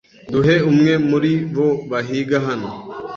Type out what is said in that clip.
Duhe umwe muribo bahiga hano